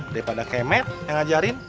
daripada kayak matt yang ngajarin